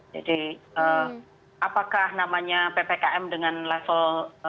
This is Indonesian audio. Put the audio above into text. jadi apakah namanya ppkm dengan level satu dua tiga empat